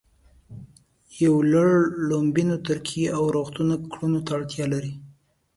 یو لړ ړومبنیو ترکیبي او رغوونکو کړنو ته اړتیا لري